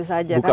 buka begitu saja